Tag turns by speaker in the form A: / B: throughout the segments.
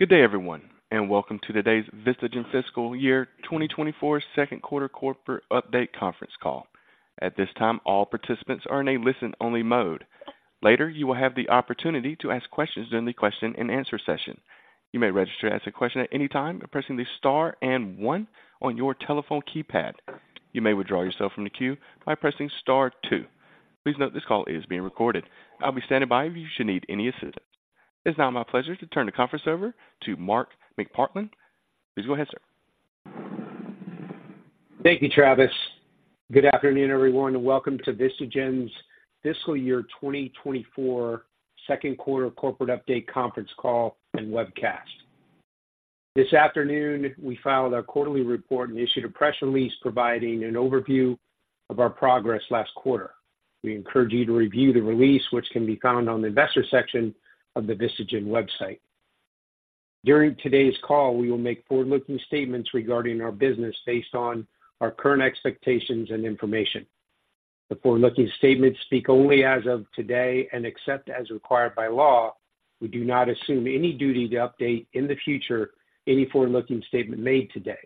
A: Good day, everyone, and welcome to today's Vistagen fiscal year 2024 second quarter corporate update conference call. At this time, all participants are in a listen-only mode. Later, you will have the opportunity to ask questions during the question-and-answer session. You may register to ask a question at any time by pressing the Star and one on your telephone keypad. You may withdraw yourself from the queue by pressing Star two. Please note this call is being recorded. I'll be standing by if you should need any assistance. It's now my pleasure to turn the conference over to Mark McPartland. Please go ahead, sir.
B: Thank you, Travis. Good afternoon, everyone, and welcome to Vistagen's fiscal year 2024 second quarter corporate update conference call and webcast. This afternoon, we filed our quarterly report and issued a press release providing an overview of our progress last quarter. We encourage you to review the release, which can be found on the investor section of the Vistagen website. During today's call, we will make forward-looking statements regarding our business based on our current expectations and information. The forward-looking statements speak only as of today, and except as required by law, we do not assume any duty to update, in the future, any forward-looking statement made today.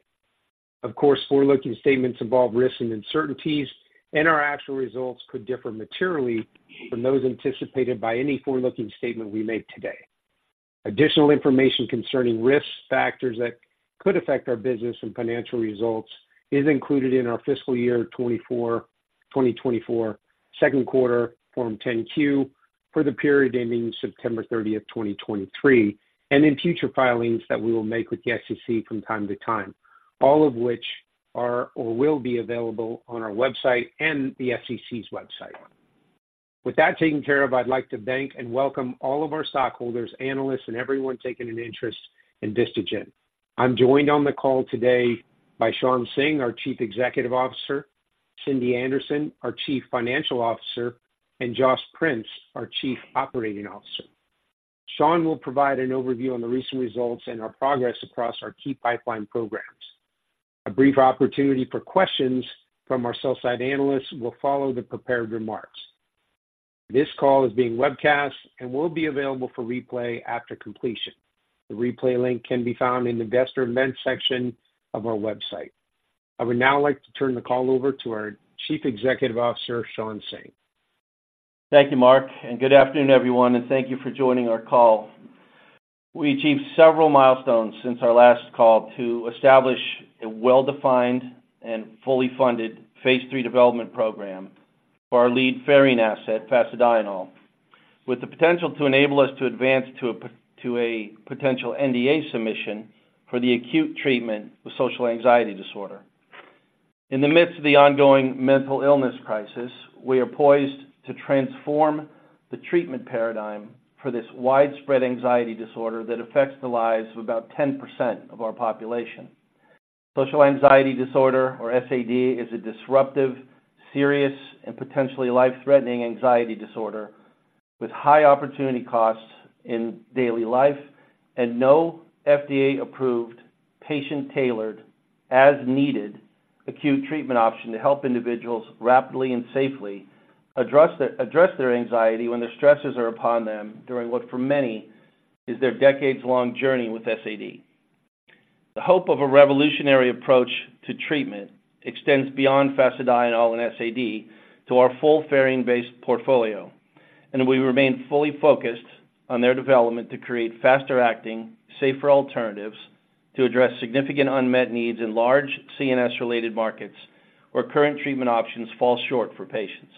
B: Of course, forward-looking statements involve risks and uncertainties, and our actual results could differ materially from those anticipated by any forward-looking statement we make today. Additional information concerning risks, factors that could affect our business and financial results is included in our fiscal year 2024 second quarter Form 10-Q for the period ending September 30, 2023, and in future filings that we will make with the SEC from time to time, all of which are or will be available on our website and the SEC's website. With that taken care of, I'd like to thank and welcome all of our stockholders, analysts, and everyone taking an interest in Vistagen. I'm joined on the call today by Shawn Singh, our Chief Executive Officer, Cindy Anderson, our Chief Financial Officer, and Josh Prince, our Chief Operating Officer. Shawn will provide an overview on the recent results and our progress across our key pipeline programs. A brief opportunity for questions from our sell-side analysts will follow the prepared remarks. This call is being webcast and will be available for replay after completion. The replay link can be found in the Investor Events section of our website. I would now like to turn the call over to our Chief Executive Officer, Shawn Singh.
C: Thank you, Mark, and good afternoon, everyone, and thank you for joining our call. We achieved several milestones since our last call to establish a well-defined and fully funded phase III development program for our lead pherine asset, fasedienol, with the potential to enable us to advance to a potential NDA submission for the acute treatment of social anxiety disorder. In the midst of the ongoing mental illness crisis, we are poised to transform the treatment paradigm for this widespread anxiety disorder that affects the lives of about 10% of our population. Social anxiety disorder, or SAD, is a disruptive, serious, and potentially life-threatening anxiety disorder with high opportunity costs in daily life and no FDA-approved, patient-tailored, as-needed, acute treatment option to help individuals rapidly and safely address their anxiety when the stresses are upon them during what, for many, is their decades-long journey with SAD. The hope of a revolutionary approach to treatment extends beyond fasedienol and SAD to our full pherine-based portfolio, and we remain fully focused on their development to create faster-acting, safer alternatives to address significant unmet needs in large CNS-related markets, where current treatment options fall short for patients.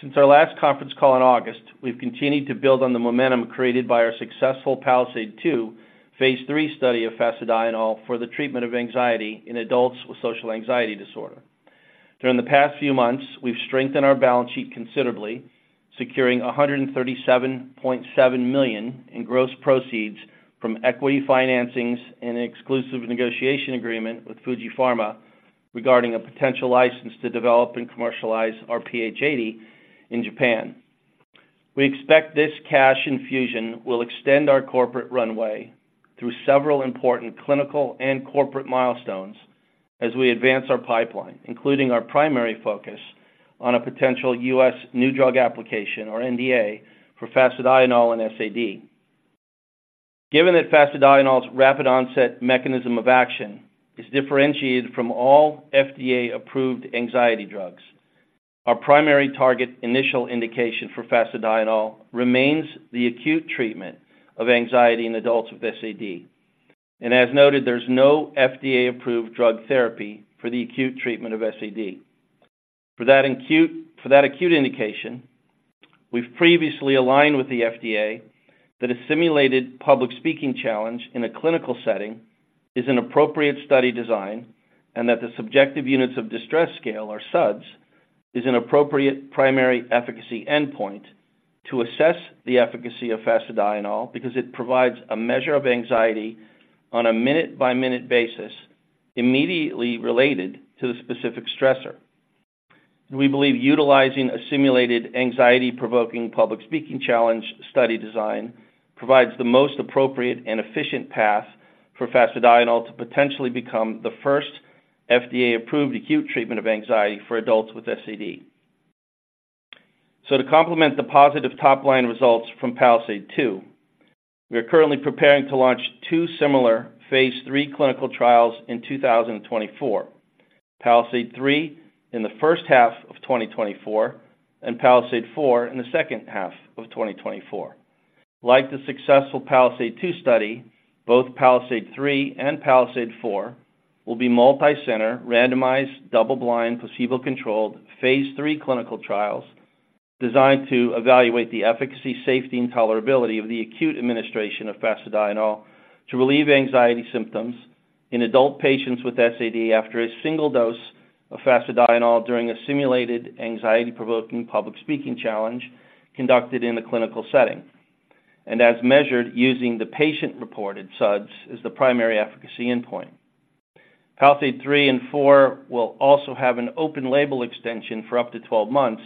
C: Since our last conference call in August, we've continued to build on the momentum created by our successful PALISADE-2 phase III study of fasedienol for the treatment of anxiety in adults with social anxiety disorder. During the past few months, we've strengthened our balance sheet considerably, securing $137.7 million in gross proceeds from equity financings and exclusive negotiation agreement with Fuji Pharma regarding a potential license to develop and commercialize our PH80 in Japan. We expect this cash infusion will extend our corporate runway through several important clinical and corporate milestones as we advance our pipeline, including our primary focus on a potential U.S. new drug application or NDA for fasedienol and SAD. Given that fasedienol's rapid onset mechanism of action is differentiated from all FDA-approved anxiety drugs, our primary target initial indication for fasedienol remains the acute treatment of anxiety in adults with SAD. As noted, there's no FDA-approved drug therapy for the acute treatment of SAD. For that acute, for that acute indication, we've previously aligned with the FDA that a simulated public speaking challenge in a clinical setting is an appropriate study design and that the Subjective Units of Distress scale, or SUDS, is an appropriate primary efficacy endpoint to assess the efficacy of fasedienol because it provides a measure of anxiety on a minute-by-minute basis immediately related to the specific stressor. We believe utilizing a simulated anxiety-provoking public speaking challenge study design provides the most appropriate and efficient path for fasedienol to potentially become the first FDA-approved acute treatment of anxiety for adults with SAD. So to complement the positive top-line results from PALISADE-2, we are currently preparing to launch two similar phase III clinical trials in 2024. PALISADE-3 in the first half of 2024 and PALISADE-4 in the second half of 2024. Like the successful PALISADE-2 study, both PALISADE-3 and PALISADE-4 will be multicenter, randomized, double-blind, placebo-controlled, phase III clinical trials designed to evaluate the efficacy, safety, and tolerability of the acute administration of fasedienol to relieve anxiety symptoms in adult patients with SAD after a single dose of fasedienol during a simulated anxiety-provoking public speaking challenge conducted in a clinical setting, and as measured using the patient-reported SUDS as the primary efficacy endpoint. PALISADE-3 and PALISADE-4 will also have an open-label extension for up to 12 months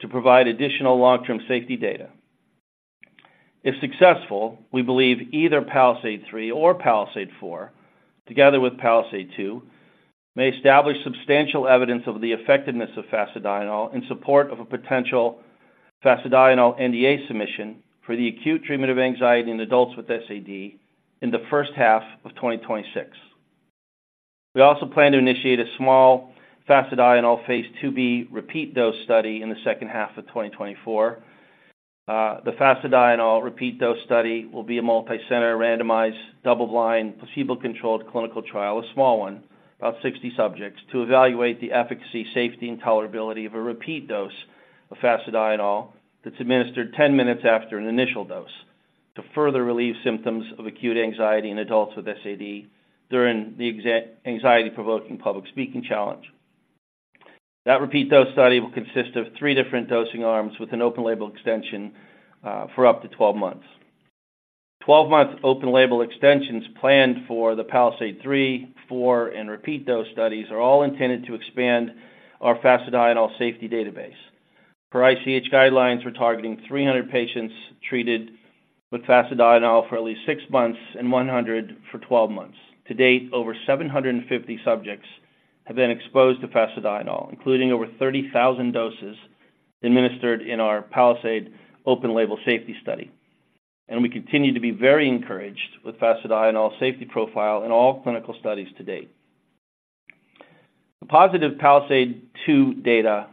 C: to provide additional long-term safety data. If successful, we believe either PALISADE-3 or PALISADE-4, together with PALISADE-2, may establish substantial evidence of the effectiveness of fasedienol in support of a potential fasedienol NDA submission for the acute treatment of anxiety in adults with SAD in the first half of 2026. We also plan to initiate a small fasedienol phase II-B repeat dose study in the second half of 2024. The fasedienol repeat dose study will be a multicenter, randomized, double-blind, placebo-controlled clinical trial, a small one, about 60 subjects, to evaluate the efficacy, safety, and tolerability of a repeat dose of fasedienol that's administered 10 minutes after an initial dose to further relieve symptoms of acute anxiety in adults with SAD during the anxiety-provoking public speaking challenge. That repeat dose study will consist of three different dosing arms with an open label extension for up to 12 months. 12-month open label extensions planned for the PALISADE-3, PALISADE-4, and repeat dose studies are all intended to expand our fasedienol safety database. Per ICH guidelines, we're targeting 300 patients treated with fasedienol for at least six months and 100 for 12 months. To date, over 750 subjects have been exposed to fasedienol, including over 30,000 doses administered in our PALISADE open-label safety study, and we continue to be very encouraged with fasedienol's safety profile in all clinical studies to date. The positive PALISADE-2 data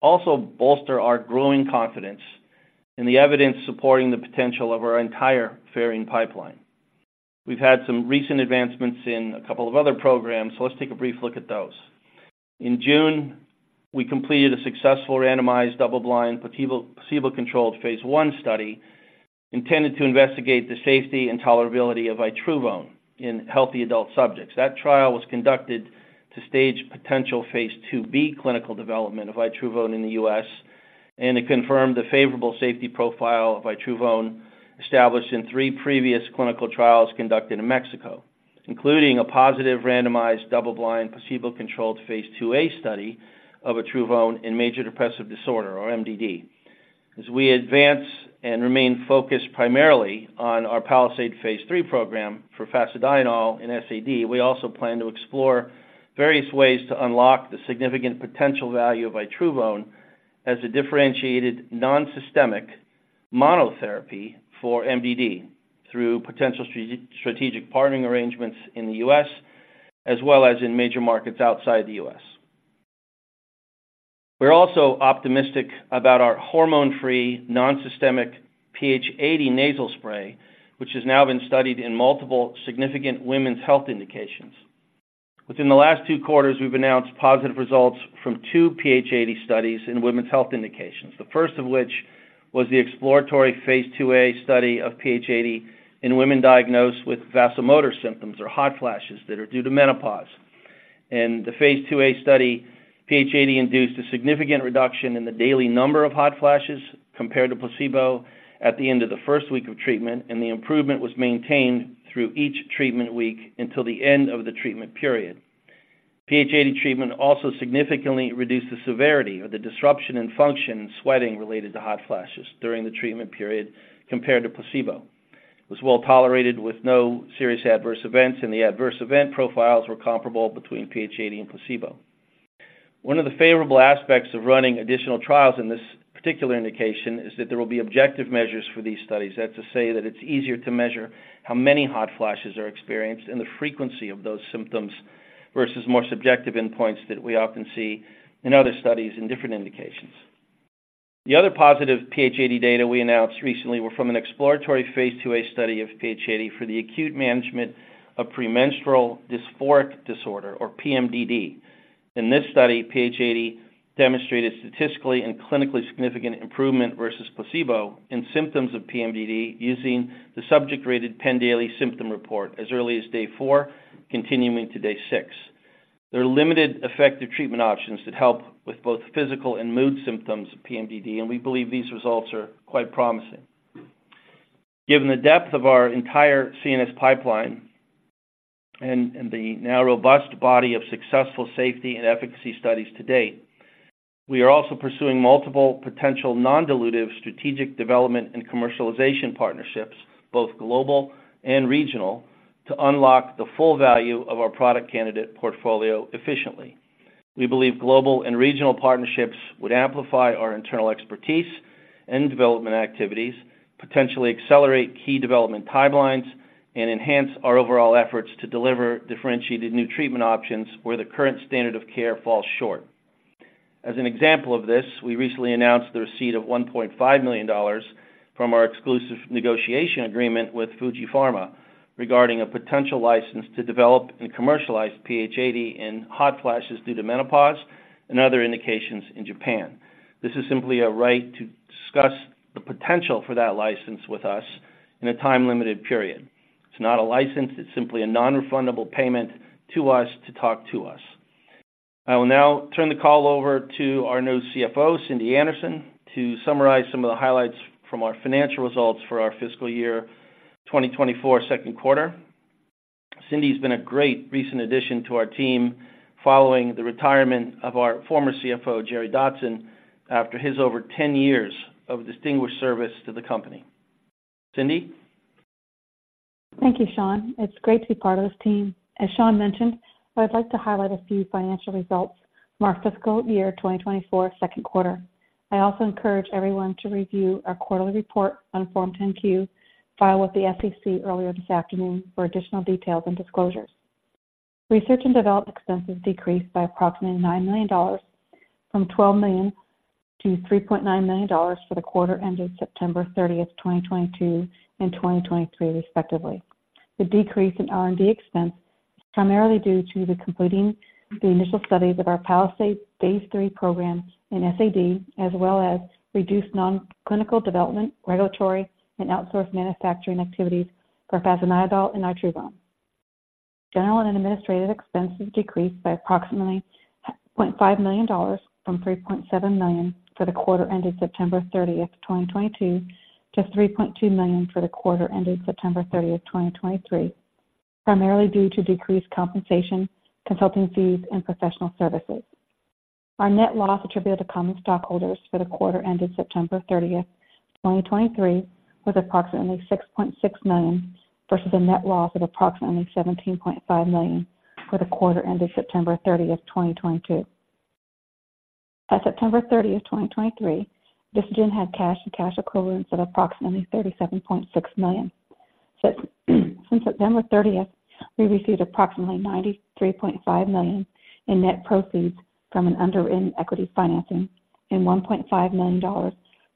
C: also bolster our growing confidence in the evidence supporting the potential of our entire pherine pipeline. We've had some recent advancements in a couple of other programs, so let's take a brief look at those. In June, we completed a successful randomized, double-blind, placebo-controlled phase I study intended to investigate the safety and tolerability of itruvone in healthy adult subjects. That trial was conducted to stage potential phase II-B clinical development of itruvone in the U.S., and it confirmed the favorable safety profile of itruvone established in three previous clinical trials conducted in Mexico, including a positive randomized, double-blind, placebo-controlled phase II-A study of itruvone in major depressive disorder or MDD. As we advance and remain focused primarily on our PALISADE phase III program for fasedienol in SAD, we also plan to explore various ways to unlock the significant potential value of itruvone as a differentiated, nonsystemic monotherapy for MDD through potential strategic partnering arrangements in the U.S., as well as in major markets outside the U.S. We're also optimistic about our hormone-free, nonsystemic PH80 nasal spray, which has now been studied in multiple significant women's health indications. Within the last two quarters, we've announced positive results from two PH80 studies in women's health indications. The first of which, was the exploratory phase II-A study of PH80 in women diagnosed with vasomotor symptoms or hot flashes that are due to menopause. In the phase II-A study, PH80 induced a significant reduction in the daily number of hot flashes compared to placebo at the end of the first week of treatment, and the improvement was maintained through each treatment week until the end of the treatment period. PH80 treatment also significantly reduced the severity or the disruption in function and sweating related to hot flashes during the treatment period compared to placebo. It was well tolerated with no serious adverse events, and the adverse event profiles were comparable between PH80 and placebo. One of the favorable aspects of running additional trials in this particular indication is that there will be objective measures for these studies. That's to say that it's easier to measure how many hot flashes are experienced and the frequency of those symptoms, versus more subjective endpoints that we often see in other studies in different indications. The other positive PH80 data we announced recently were from an exploratory phase II-A study of PH80 for the acute management of premenstrual dysphoric disorder or PMDD. In this study, PH80 demonstrated statistically and clinically significant improvement versus placebo in symptoms of PMDD using the subject-rated Penn Daily Symptom Report as early as day four, continuing to day six. There are limited effective treatment options that help with both physical and mood symptoms of PMDD, and we believe these results are quite promising. Given the depth of our entire CNS pipeline and the now robust body of successful safety and efficacy studies to date, we are also pursuing multiple potential non-dilutive strategic development and commercialization partnerships, both global and regional, to unlock the full value of our product candidate portfolio efficiently. We believe global and regional partnerships would amplify our internal expertise and development activities, potentially accelerate key development timelines, and enhance our overall efforts to deliver differentiated new treatment options where the current standard of care falls short. As an example of this, we recently announced the receipt of $1.5 million from our exclusive negotiation agreement with Fuji Pharma regarding a potential license to develop and commercialize PH80 in hot flashes due to menopause and other indications in Japan. This is simply a right to discuss the potential for that license with us in a time-limited period. It's not a license, it's simply a non-refundable payment to us to talk to us. I will now turn the call over to our new CFO, Cindy Anderson, to summarize some of the highlights from our financial results for our fiscal year 2024 second quarter. Cindy has been a great recent addition to our team following the retirement of our former CFO, Jerry Dotson, after his over 10 years of distinguished service to the company. Cindy?
D: Thank you, Shawn. It's great to be part of this team. As Shawn mentioned, I'd like to highlight a few financial results from our fiscal year 2024 second quarter. I also encourage everyone to review our quarterly report on Form 10-Q, filed with the SEC earlier this afternoon for additional details and disclosures. Research and development expenses decreased by approximately $9 million, from $12 million to $3.9 million for the quarter ended September 30, 2022 and 2023, respectively. The decrease in R&D expense is primarily due to completing the initial studies of our PALISADE phase III program in SAD, as well as reduced nonclinical development, regulatory and outsourced manufacturing activities for fasedienol and itruvone. General and administrative expenses decreased by approximately $0.5 million from $3.7 million for the quarter ended September 30, 2022, to $3.2 million for the quarter ended September 30, 2023, primarily due to decreased compensation, consulting fees, and professional services. Our net loss attributed to common stockholders for the quarter ended September 30, 2023, was approximately $6.6 million, versus a net loss of approximately $17.5 million for the quarter ended September 30, 2022. At September 30, 2023, Vistagen had cash and cash equivalents of approximately $37.6 million. Since September 30, we received approximately $93.5 million in net proceeds from an underwritten equity financing and $1.5 million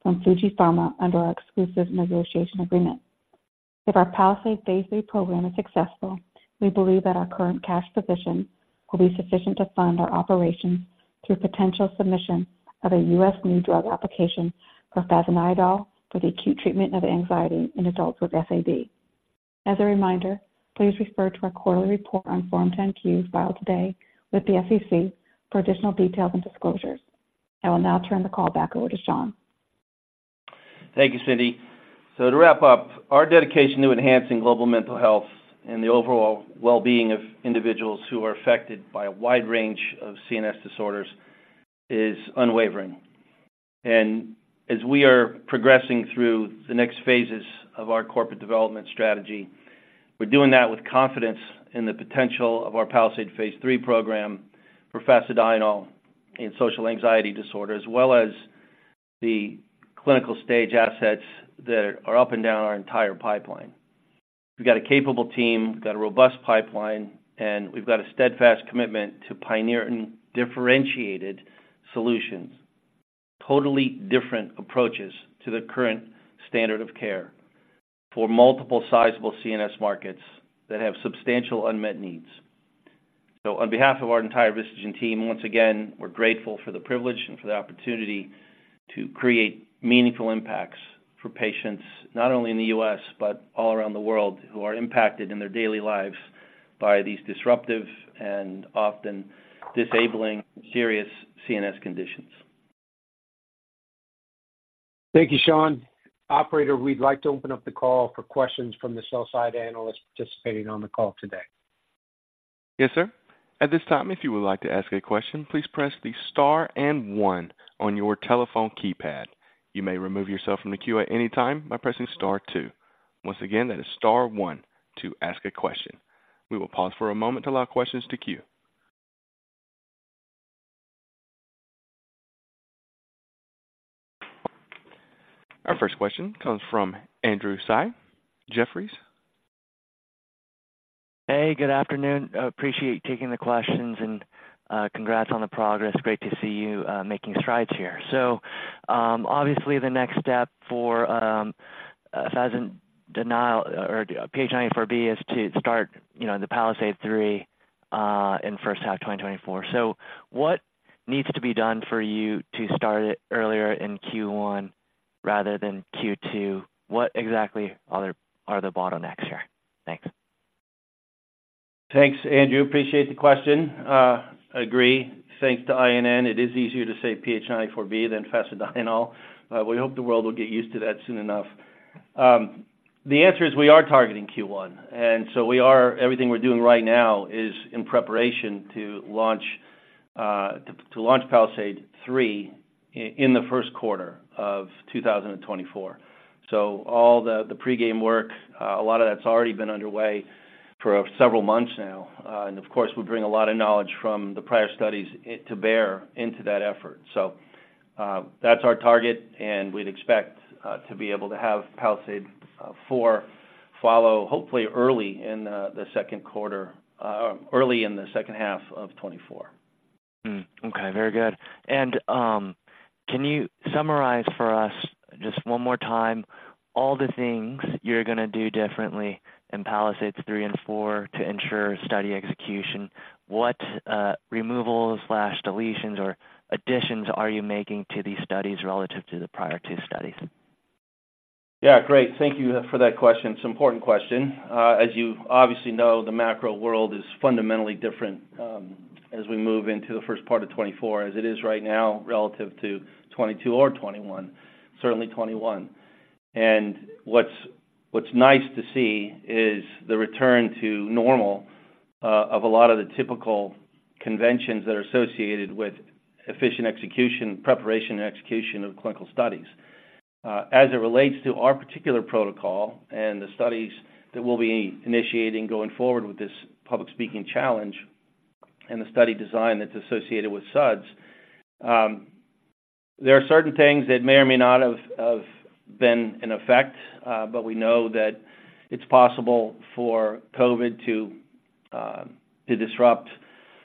D: from Fuji Pharma under our exclusive negotiation agreement. If our PALISADE phase III program is successful, we believe that our current cash position will be sufficient to fund our operations through potential submission of a U.S. new drug application for fasedienol for the acute treatment of anxiety in adults with SAD. As a reminder, please refer to our quarterly report on Form 10-Q filed today with the SEC for additional details and disclosures. I will now turn the call back over to Shawn.
C: Thank you, Cindy. So to wrap up, our dedication to enhancing global mental health and the overall well-being of individuals who are affected by a wide range of CNS disorders is unwavering. And as we are progressing through the next phases of our corporate development strategy, we're doing that with confidence in the potential of our PALISADE phase III program for fasedienol in social anxiety disorder, as well as the clinical stage assets that are up and down our entire pipeline. We've got a capable team, we've got a robust pipeline, and we've got a steadfast commitment to pioneer and differentiated solutions, totally different approaches to the current standard of care for multiple sizable CNS markets that have substantial unmet needs. On behalf of our entire Vistagen team, once again, we're grateful for the privilege and for the opportunity to create meaningful impacts for patients, not only in the U.S., but all around the world, who are impacted in their daily lives by these disruptive and often disabling serious CNS conditions.
B: Thank you, Shawn. Operator, we'd like to open up the call for questions from the sell-side analysts participating on the call today.
A: Yes, sir. At this time, if you would like to ask a question, please press the star and one on your telephone keypad. You may remove yourself from the queue at any time by pressing star two. Once again, that is star one to ask a question. We will pause for a moment to allow questions to queue. Our first question comes from Andrew Tsai, Jefferies.
E: Hey, good afternoon. I appreciate you taking the questions and, congrats on the progress. Great to see you, making strides here. Obviously, the next step for fasedienol or PH94B is to start, you know, the PALISADE-3 in first half 2024. What needs to be done for you to start it earlier in Q1 rather than Q2? What exactly are the bottlenecks here? Thanks.
C: Thanks, Andrew. Appreciate the question. Agree. Thanks to INN, it is easier to say PH94B than fasedienol. We hope the world will get used to that soon enough. The answer is we are targeting Q1, and so we are—everything we're doing right now is in preparation to launch to launch PALISADE-3 in the first quarter of 2024. So all the pre-game work, a lot of that's already been underway for several months now. And of course, we bring a lot of knowledge from the prior studies to bear into that effort. So, that's our target, and we'd expect to be able to have PALISADE-4 follow, hopefully early in the second quarter, early in the second half of 2024.
E: Okay, very good. Can you summarize for us just one more time all the things you're gonna do differently in PALISADE-3 and PALISADE-4 to ensure study execution? What removals/deletions or additions are you making to these studies relative to the prior two studies?
C: Yeah, great. Thank you for that question. It's an important question. As you obviously know, the macro world is fundamentally different, as we move into the first part of 2024, as it is right now, relative to 2022 or 2021, certainly 2021. What's nice to see is the return to normal, of a lot of the typical conventions that are associated with efficient execution, preparation and execution of clinical studies. As it relates to our particular protocol and the studies that we'll be initiating going forward with this public speaking challenge and the study design that's associated with SUDS, there are certain things that may or may not have been in effect, but we know that it's possible for COVID to disrupt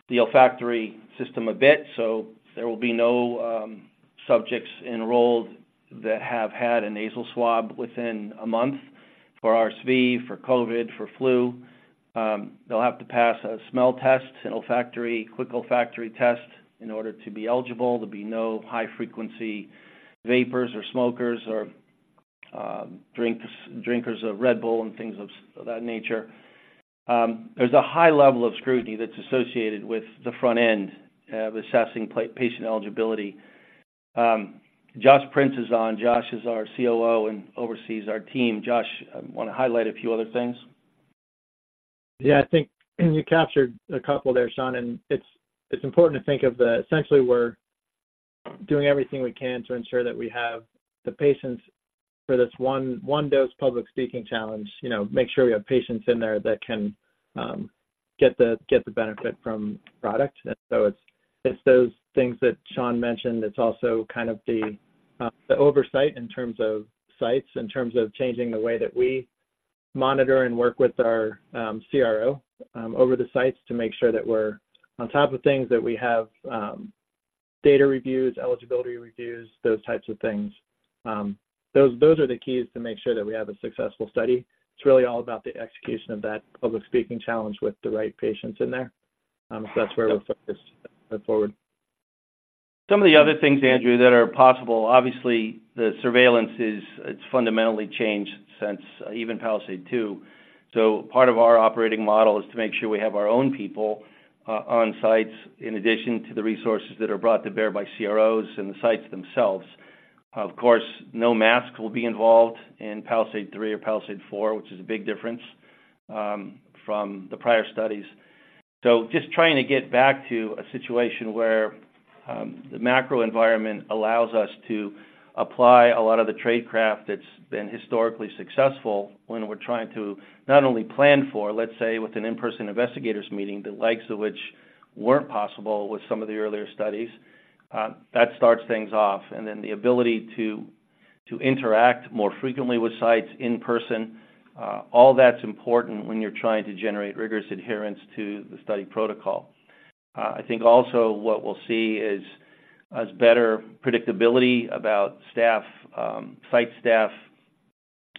C: the olfactory system a bit. So there will be no subjects enrolled that have had a nasal swab within a month for RSV, for COVID, for flu. They'll have to pass a smell test, a quick olfactory test in order to be eligible. There'll be no high frequency vapers or smokers or drinkers of Red Bull and things of that nature. There's a high level of scrutiny that's associated with the front end of assessing patient eligibility. Josh Prince is on. Josh is our COO and oversees our team. Josh, wanna highlight a few other things.
F: Yeah, I think you captured a couple there, Shawn, and it's important to think of the, essentially, we're doing everything we can to ensure that we have the patients for this one, one dose public speaking challenge. You know, make sure we have patients in there that can get the benefit from product. And so it's those things that Shawn mentioned. It's also kind of the oversight in terms of sites, in terms of changing the way that we monitor and work with our CRO over the sites to make sure that we're on top of things, that we have data reviews, eligibility reviews, those types of things. Those are the keys to make sure that we have a successful study. It's really all about the execution of that public speaking challenge with the right patients in there. That's where we're focused going forward.
C: Some of the other things, Andrew, that are possible, obviously, the surveillance is. It's fundamentally changed since even PALISADE-2. So part of our operating model is to make sure we have our own people on sites, in addition to the resources that are brought to bear by CROs and the sites themselves. Of course, no mask will be involved in PALISADE-3 or PALISADE-4, which is a big difference from the prior studies. So just trying to get back to a situation where the macro environment allows us to apply a lot of the tradecraft that's been historically successful when we're trying to not only plan for, let's say, with an in-person investigators meeting, the likes of which weren't possible with some of the earlier studies. That starts things off, and then the ability to interact more frequently with sites in person. All that's important when you're trying to generate rigorous adherence to the study protocol. I think also what we'll see is, as better predictability about staff, site staff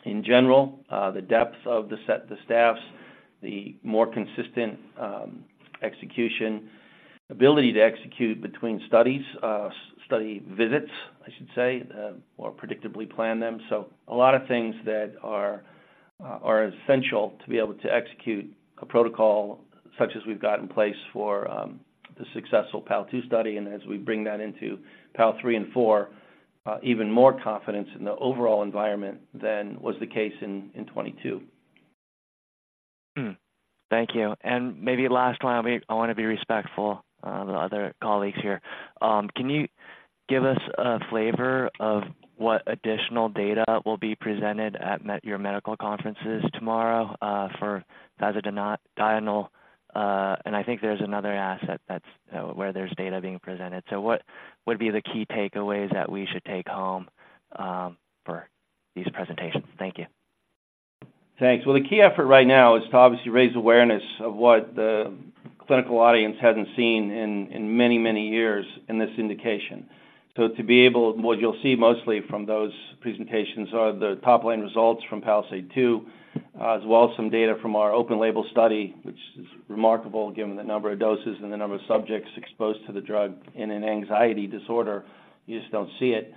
C: in general, the depth of the staff, the staff's, the more consistent, execution, ability to execute between studies, study visits, I should say, more predictably plan them. So a lot of things that are, are essential to be able to execute a protocol such as we've got in place for, the successful PALISADE-2 study. And as we bring that into PALISADE-3 and PALISADE-4, even more confidence in the overall environment than was the case in, in 2022.
E: Thank you. Maybe last one, I'll be. I wanna be respectful to other colleagues here. Can you give us a flavor of what additional data will be presented at medical conferences tomorrow for fasedienol, and I think there's another asset that's where there's data being presented. So what would be the key takeaways that we should take home for these presentations? Thank you.
C: Thanks. Well, the key effort right now is to obviously raise awareness of what the clinical audience hasn't seen in many, many years in this indication. So to be able, what you'll see mostly from those presentations are the top-line results from PALISADE-2, as well as some data from our open label study, which is remarkable given the number of doses and the number of subjects exposed to the drug in an anxiety disorder. You just don't see it.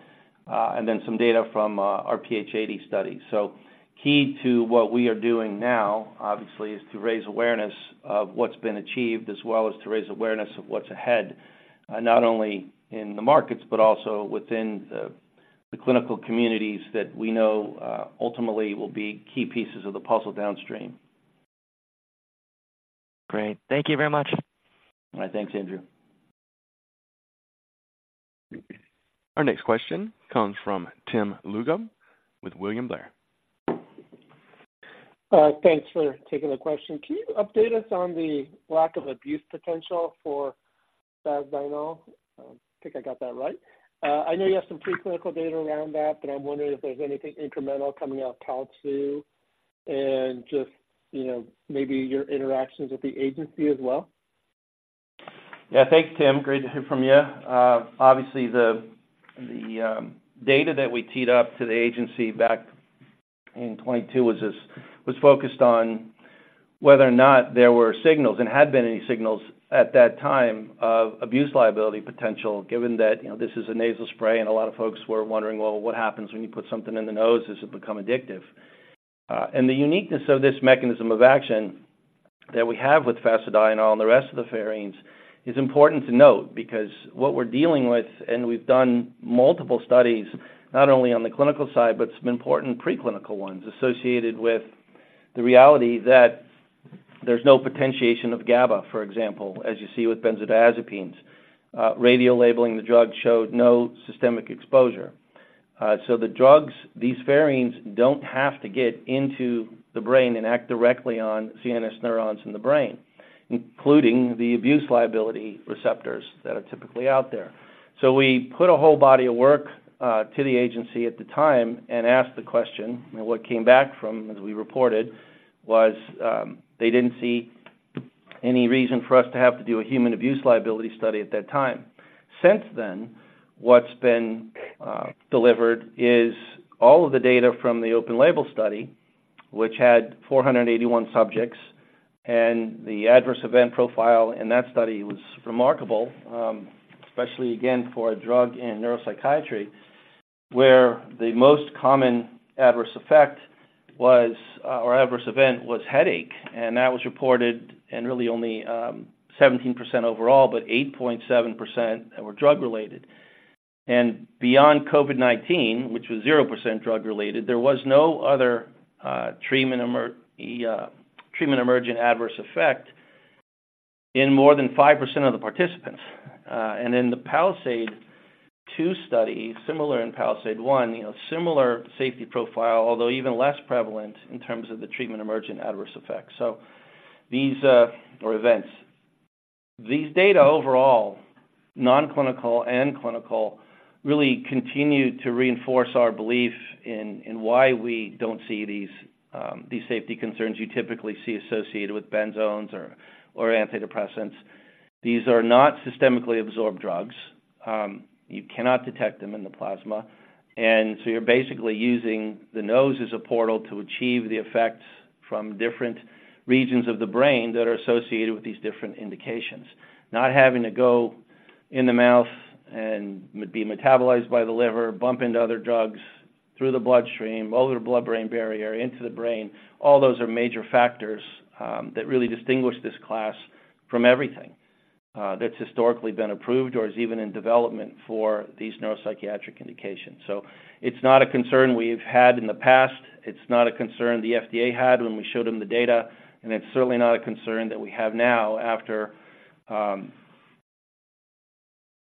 C: And then some data from our PH80 study. So key to what we are doing now, obviously, is to raise awareness of what's been achieved, as well as to raise awareness of what's ahead, not only in the markets, but also within the clinical communities that we know ultimately will be key pieces of the puzzle downstream.
E: Great. Thank you very much.
C: Thanks, Andrew.
A: Our next question comes from Tim Lugo with William Blair.
G: Thanks for taking the question. Can you update us on the lack of abuse potential for fasedienol? I think I got that right. I know you have some preclinical data around that, but I'm wondering if there's anything incremental coming out of PALISADE-2 and just, you know, maybe your interactions with the agency as well.
C: Yeah. Thanks, Tim. Great to hear from you. Obviously, the data that we teed up to the agency back in 2022 was focused on whether or not there were signals and had been any signals at that time of abuse liability potential, given that, you know, this is a nasal spray, and a lot of folks were wondering: "Well, what happens when you put something in the nose? Does it become addictive?" And the uniqueness of this mechanism of action that we have with fasedienol and the rest of the pherines is important to note, because what we're dealing with, and we've done multiple studies, not only on the clinical side, but some important preclinical ones associated with the reality that there's no potentiation of GABA, for example, as you see with benzodiazepines. Radiolabeling the drug showed no systemic exposure. So the drugs, these pherines, don't have to get into the brain and act directly on CNS neurons in the brain, including the abuse liability receptors that are typically out there. So we put a whole body of work to the agency at the time and asked the question. And what came back from, as we reported, was they didn't see any reason for us to have to do a human abuse liability study at that time. Since then, what's been delivered is all of the data from the open label study, which had 481 subjects, and the adverse event profile in that study was remarkable. Especially again, for a drug in neuropsychiatry, where the most common adverse effect was or adverse event was headache, and that was reported in really only 17% overall, but 8.7% were drug-related. And beyond COVID-19, which was 0% drug-related, there was no other treatment emergent adverse effect in more than 5% of the participants. And in the PALISADE-2 study, similar in PALISADE-1, you know, similar safety profile, although even less prevalent in terms of the treatment emergent adverse effects. So these or events. These data overall, non-clinical and clinical, really continue to reinforce our belief in why we don't see these safety concerns you typically see associated with benzos or antidepressants. These are not systemically absorbed drugs. You cannot detect them in the plasma, and so you're basically using the nose as a portal to achieve the effects from different regions of the brain that are associated with these different indications. Not having to go in the mouth and be metabolized by the liver, bump into other drugs through the bloodstream, over the blood-brain barrier, into the brain. All those are major factors that really distinguish this class from everything that's historically been approved or is even in development for these neuropsychiatric indications. So it's not a concern we've had in the past, it's not a concern the FDA had when we showed them the data, and it's certainly not a concern that we have now after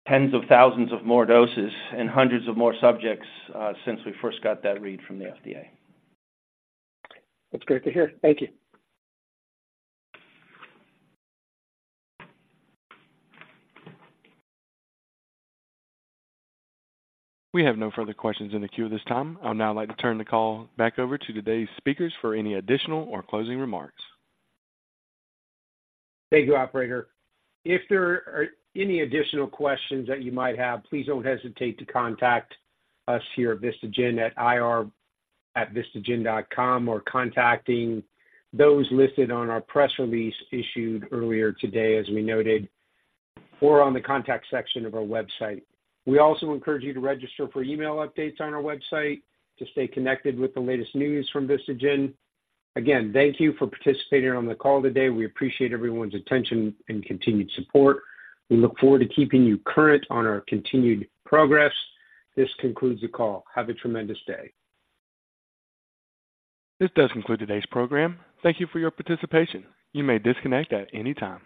C: tens of thousands of more doses and hundreds of more subjects since we first got that read from the FDA.
G: That's great to hear. Thank you.
A: We have no further questions in the queue at this time. I'd now like to turn the call back over to today's speakers for any additional or closing remarks.
C: Thank you, operator. If there are any additional questions that you might have, please don't hesitate to contact us here at Vistagen at ir@vistagen.com or contacting those listed on our press release issued earlier today, as we noted, or on the contact section of our website. We also encourage you to register for email updates on our website to stay connected with the latest news from Vistagen. Again, thank you for participating on the call today. We appreciate everyone's attention and continued support. We look forward to keeping you current on our continued progress. This concludes the call. Have a tremendous day.
A: This does conclude today's program. Thank you for your participation. You may disconnect at any time.